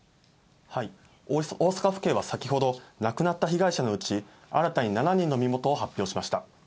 大阪府警は先ほど、亡くなった被害者のうち、新たに７人の身元を発表しました。